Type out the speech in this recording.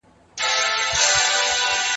د کار فرصتونه څنګه جوړېږي؟